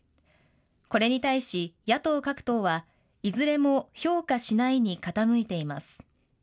これに対し、野党各党は、いずれも評価しないに傾いています。